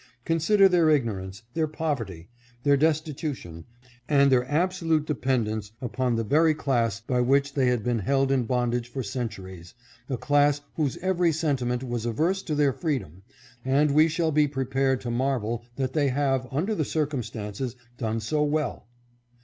Consider their ignorance, their poverty, their destitution, and their absolute dependence upon the very class by COLORED PEOPLE HAVE MADE REASONABLE PROGRESS. 61S which they had been held in bondage for centuries, a class whose every sentiment was averse to their freedom, and we shall be prepared to marvel that they have, under the circumstances, done so well.